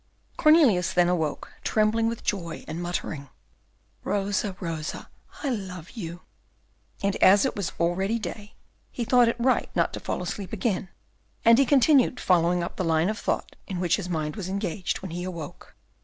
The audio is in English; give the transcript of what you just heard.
Cornelius then awoke, trembling with joy, and muttering, "Rosa, Rosa, I love you." And as it was already day, he thought it right not to fall asleep again, and he continued following up the line of thought in which his mind was engaged when he awoke.